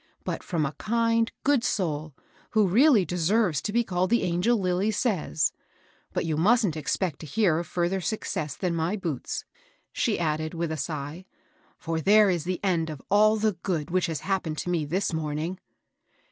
— but from a kind, good soul, who really deserves to be called the angel Lilly says. But you mustn't expect to hear of ftirther success than my boots," she added, with a sigh ;" for there is the end of all the good which has happened to me this morning."